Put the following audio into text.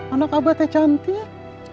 anak abah teh cantik